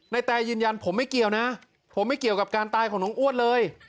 แตยืนยันผมไม่เกี่ยวนะผมไม่เกี่ยวกับการตายของน้องอ้วนเลย